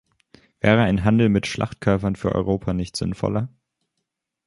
Wäre ein Handel mit Schlachtkörpern für Europa nicht sinnvoller?